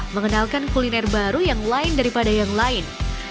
mengenalkan kuliner baru yang lain daripada yang lain